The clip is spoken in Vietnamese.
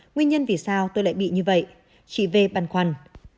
nguyên nhân vì sao tôi lại bị như vậy chị vê băn khoăn